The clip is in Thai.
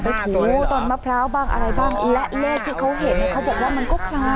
ถูต้นมะพร้าวบ้างอะไรบ้างและเลขที่เขาเห็นเนี่ยเขาบอกว่ามันก็คล้าย